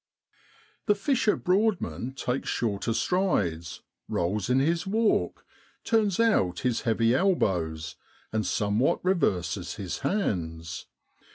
The fisher broad man takes shorter strides, rolls in his walk, turns out his elbows, and somewhat reverses his hands.